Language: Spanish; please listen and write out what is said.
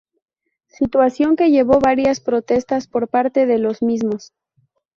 Situación que llevó varias protestas por parte de los mismos.